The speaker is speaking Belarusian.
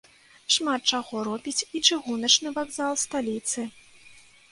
Шмат чаго робіць і чыгуначны вакзал сталіцы.